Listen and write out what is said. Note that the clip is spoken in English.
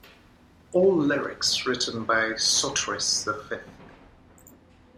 All lyrics written by Sotiris the Fifth.